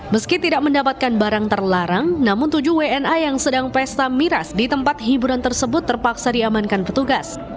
meski tidak mendapatkan barang terlarang namun tujuh wna yang sedang pesta miras di tempat hiburan tersebut terpaksa diamankan petugas